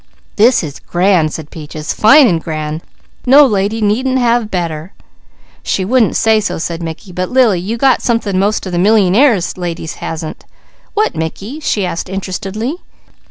"This is grand," said Peaches "Fine an' grand! No lady needn't have better!" "She wouldn't say so," said Mickey. "But Lily, you got something most of the millyingaire ladies hasn't." "What Mickey?" she asked interestedly.